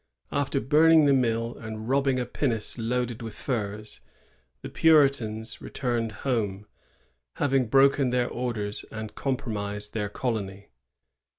After burning the mill and robbing a pin nace loaded with furs, the Puritans returned home, having broken their orders and compromised their colony.